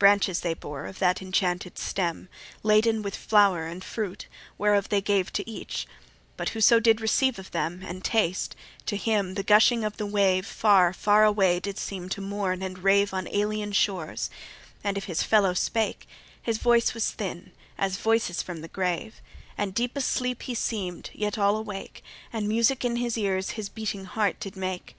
Branches they bore of that enchanted stem, Laden with flower and fruit, whereof they gave To each, but whoso did receive of them, And taste, to him the gushing of the wave Far far away did seem to mourn and rave On alien shores; and if his fellow spake, His voice was thin, as voices from the grave; And deep asleep he seem'd, yet all awake, And music in his ears his beating heart did make.